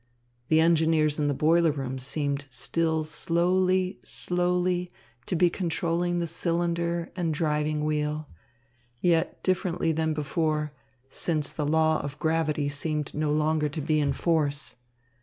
The engineers in the boiler room seemed still slowly, slowly to be controlling the cylinder and driving wheel; yet differently than before, since the law of gravity seemed no longer to be in force.